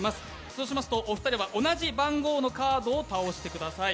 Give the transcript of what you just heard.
そうしますとお二人は同じ番号のカードを倒してください。